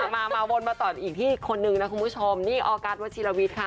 มาวนมาต่ออีกที่คนหนึ่งนะคุณผู้ชมนี่ออร์การด์ดวัชิลวิทย์ค่ะ